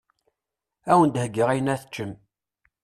Awen-d heggiɣ ayen ad teččem.